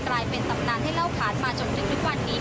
กลายเป็นสำนักให้เล่าผาดมาจนยุควันนี้ค่ะ